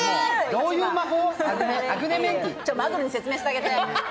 どういう魔法？